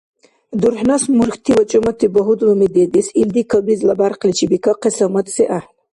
ДурхӀнас мурхьти ва чӀумати багьудлуми дедес, илди кабизла бяркъличи бикахъес гьамадси ахӀен.